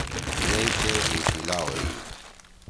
یئی چیر حی شیِلا ہوئی۔